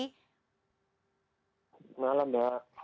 selamat malam mbak